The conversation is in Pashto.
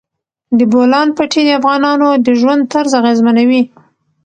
د بولان پټي د افغانانو د ژوند طرز اغېزمنوي.